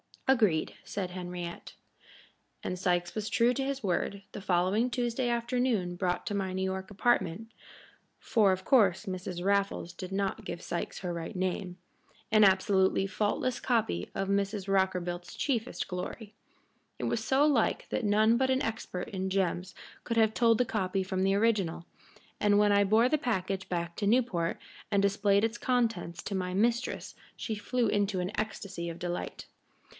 "Agreed," said Henriette. And Sikes was true to his word. The following Tuesday afternoon brought to my New York apartment for of course Mrs. Raffles did not give Sikes her right name an absolutely faultless copy of Mrs. Rockerbilt's chiefest glory. It was so like that none but an expert in gems could have told the copy from the original, and when I bore the package back to Newport and displayed its contents to my mistress she flew into an ecstasy of delight.